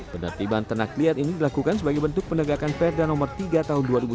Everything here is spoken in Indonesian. penertiban ternak liar ini dilakukan sebagai bentuk penegakan perda nomor tiga tahun dua ribu sembilan belas